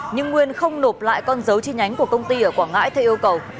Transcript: nhưng nguyên không nộp lại con dấu chi nhánh của công ty ở quảng ngãi theo yêu cầu